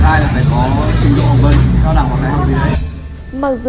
em phải là người đúng hơn hai là phải có trình độ hồng vân đó là một cái học gì đấy